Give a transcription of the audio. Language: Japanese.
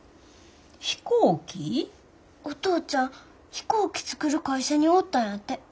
お父ちゃん飛行機作る会社におったんやて。